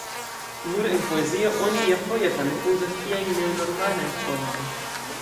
Nur en poezio oni iafoje tamen uzas tiajn nenormalajn formojn.